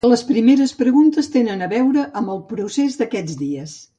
Les primeres preguntes tenen a veure amb el procés d’aquests dies.